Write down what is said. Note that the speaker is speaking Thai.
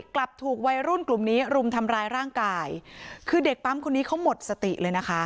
กลับถูกวัยรุ่นกลุ่มนี้รุมทำร้ายร่างกายคือเด็กปั๊มคนนี้เขาหมดสติเลยนะคะ